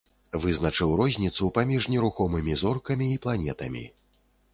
Вызначыў розніцу паміж нерухомымі зоркамі і планетамі.